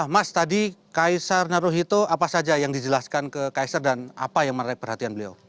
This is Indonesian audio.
mas tadi kaisar naruhito apa saja yang dijelaskan ke kaisar dan apa yang menarik perhatian beliau